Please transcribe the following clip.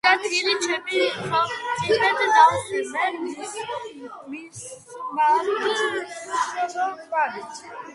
თინათინ ჩემი ხელმწიფედ დავსვი მე, მისმაბ მშობელმან